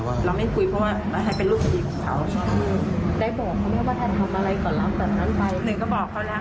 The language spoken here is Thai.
เราไม่คุยเพราะว่าให้เป็นลูกสดีของเขา